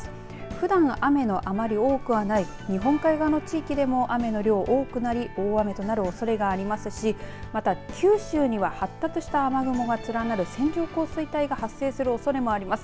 ふだん雨のあまり多くはない日本海側の地域でも雨の量、多くなり大雨となるおそれがありますしまた、九州には発達した雨雲が連なる線状降水帯が発生するおそれもあります。